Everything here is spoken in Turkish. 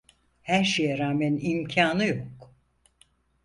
Her şeye rağmen imkânı yok…